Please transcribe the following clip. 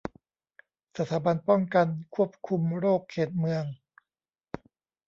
สถาบันป้องกันควบคุมโรคเขตเมือง